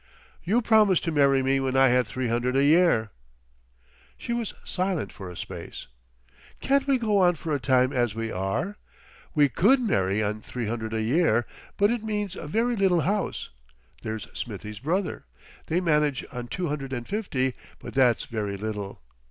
"You promised to marry me when I had three hundred a year." She was silent for a space. "Can't we go on for a time as we are? We could marry on three hundred a year. But it means a very little house. There's Smithie's brother. They manage on two hundred and fifty, but that's very little.